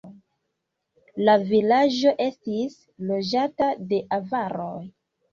La vilaĝo estis loĝata de avaroj.